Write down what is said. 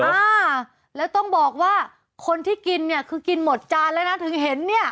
อ่าแล้วต้องบอกว่าคนที่กินเนี่ยคือกินหมดจานแล้วนะถึงเห็นเนี่ย